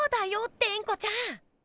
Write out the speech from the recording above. テンコちゃん！